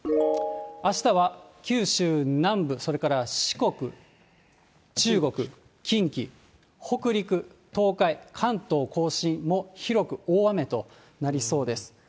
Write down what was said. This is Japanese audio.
あしたは九州南部、それから四国、中国、近畿、北陸、東海、関東甲信も広く大雨となりそうです。